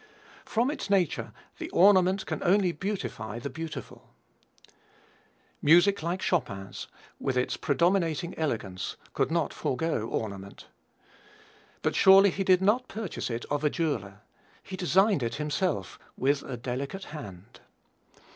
"From its nature, the ornament can only beautify the beautiful." Music like Chopin's, "with its predominating elegance, could not forego ornament. But he surely did not purchase it of a jeweller; he designed it himself, with a delicate hand.